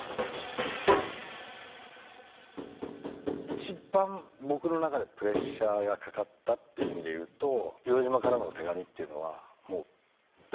一番僕の中でプレッシャーがかかったっていう意味でいうと「硫黄島からの手紙」っていうのはもうベストですね。